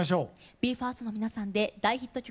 ＢＥ：ＦＩＲＳＴの皆さんで大ヒット曲